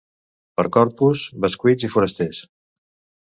Per Corpus, bescuits i forasters.